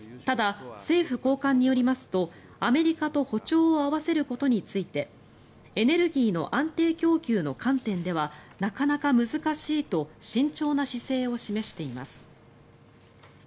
ただ政府高官によりますとアメリカと歩調を合わせることについてエネルギーの安定供給の観点ではなかなか難しいと慎重な姿勢を示しています。